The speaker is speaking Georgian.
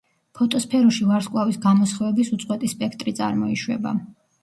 ფოტოსფეროში ვარსკვლავის გამოსხივების უწყვეტი სპექტრი წარმოიშვება.